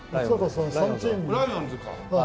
ライオンズは。